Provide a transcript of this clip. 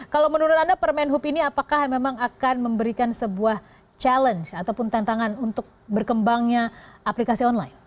kalau menurut anda permen hub ini apakah memang akan memberikan sebuah challenge ataupun tantangan untuk berkembangnya aplikasi online